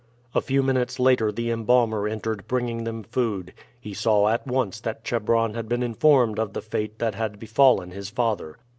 A few minutes later the embalmer entered bringing them food. He saw at once that Chebron had been informed of the fate that had befallen his father.